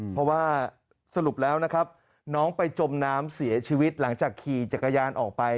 เพราะว่าสรุปแล้วนะครับน้องไปจมน้ำเสียชีวิตหลังจากขี่จักรยานออกไป